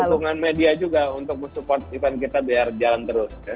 dan hubungan media juga untuk support event kita biar jalan terus